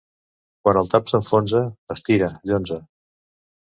Quan el tap s'enfonsa, estira, llonze.